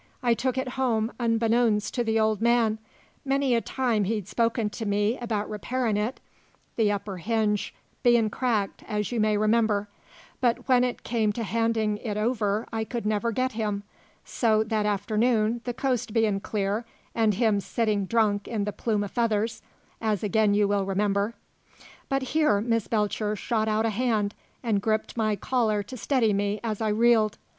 "I took it home unbeknowns to the old man. Many a time he'd spoken to me about repairin' it, the upper hinge bein' cracked, as you may remember. But when it came to handin' it over I could never get him. So that afternoon, the coast bein' clear and him sitting drunk in the Plume o' Feathers, as again you will remember " But here Miss Belcher shot out a hand and gripped my collar to steady me as I reeled.